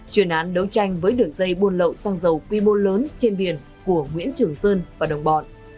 chuyên án đấu tranh với đường dây buôn lậu xăng dầu quy mô lớn trên biển của nguyễn trường sơn và đồng bọn